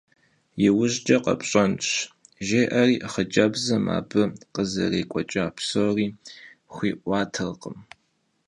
Yiujç'e khepş'enş, – jjê'eri xhıcebzım abı khızerêk'ueç'a psori xui'uaterkhım.